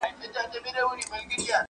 د العبر کتاب یوه ډېره لویه مقدمه لري.